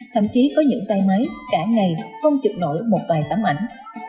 thậm chí có những tay máy cả ngày không trực nổi một vài tấm ảnh